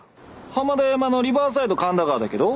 浜田山のリバーサイド神田川だけど。